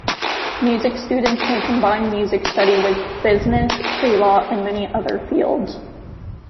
Music students may combine music study with business, pre-law, and many other fields.